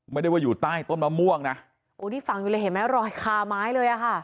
ไม่ได้ว่าอยู่ใต้ต้นมะม่วงนะโอ้นี่ฝังอยู่เลยเห็นไหมรอยคาไม้เลยอ่ะค่ะ